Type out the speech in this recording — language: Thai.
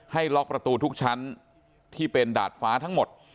ให้ล็อกประตูทุกชั้นที่เป็นดาดฟ้าทั้งหมด